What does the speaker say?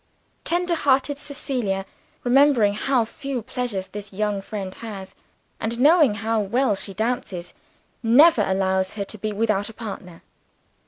Tender hearted Cecilia, remembering how few pleasures this young friend has, and knowing how well she dances, never allows her to be without a partner.